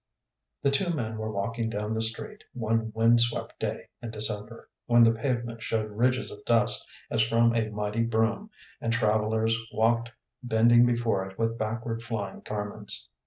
The two men were walking down the street one wind swept day in December, when the pavement showed ridges of dust as from a mighty broom, and travellers walked bending before it with backward flying garments.